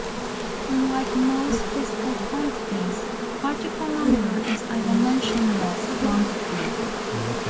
Unlike most physical quantities, particle number is a dimensionless quantity.